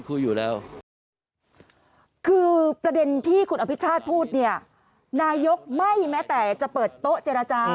คุยอยู่แล้วคือประเด็นที่คุณอภิชาติพูดเนี่ยนายกไม่แม้แต่จะเปิดโต๊ะเจรจา